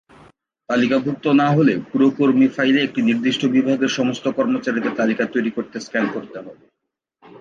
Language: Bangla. তালিকাভুক্ত না হলে পুরো কর্মী ফাইলে একটি নির্দিষ্ট বিভাগের সমস্ত কর্মচারীদের তালিকা তৈরি করতে স্ক্যান করতে হবে।